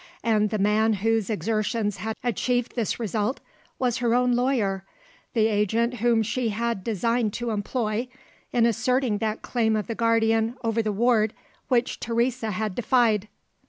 And the man whose exertions had achieved this result, was her own lawyer the agent whom she had designed to employ, in asserting that claim of the guardian over the ward which Teresa had defied.